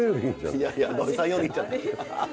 いやいや土井さんよりっちゃ。